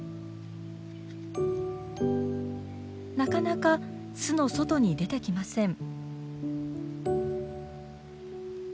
なかなか巣の外に出てきません。